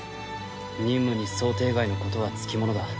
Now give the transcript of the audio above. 任務に想定外のことはつきものだ。